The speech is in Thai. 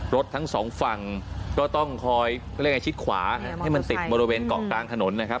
รถทั้งสองฝั่งก็ต้องคอยชิดขวาให้มันติดบริเวณเกาะกลางถนน